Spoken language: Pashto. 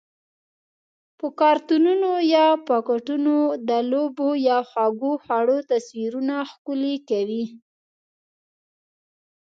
په کارتنونو یا پاکټونو د لوبو یا خوږو خوړو تصویرونه ښکلي کوي؟